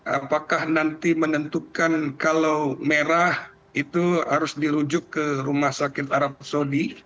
apakah nanti menentukan kalau merah itu harus dirujuk ke rumah sakit arab saudi